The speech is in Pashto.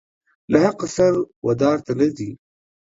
ناحقه سر و دار ته نه ځي.